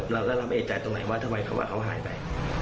แล้วรับเอจใจตรงไหนว่าทำไมเขาหายไป